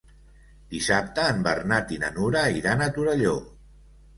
Dissabte en Bernat i na Nura iran a Torelló.